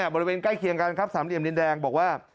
บริเวณใกล้เคียงกันครับสามเหลี่ยมดินแดงบอกว่า